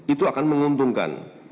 itu akan menguntungkan